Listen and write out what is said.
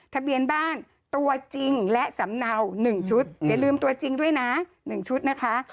ทะเบียนบ้านตัวจริงและสำเนา๑ชุดอย่าลืมตัวจริงด้วยนะ๑ชุดนะคะ